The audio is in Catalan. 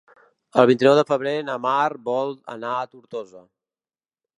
El vint-i-nou de febrer na Mar vol anar a Tortosa.